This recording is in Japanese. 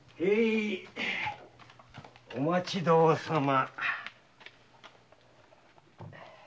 お待ちどうさま。